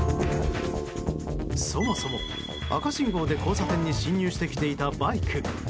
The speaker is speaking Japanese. そもそも赤信号で、交差点に進入してきていたバイク。